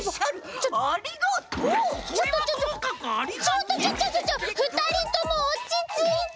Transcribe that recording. ちょっとちょちょちょふたりともおちついて！